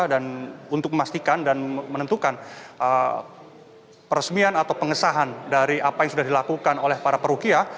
dan untuk memastikan dan menentukan peresmian atau pengesahan dari apa yang sudah dilakukan oleh para perukya